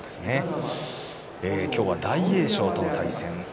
今日は大栄翔との対戦。